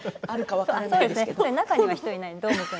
中には人いない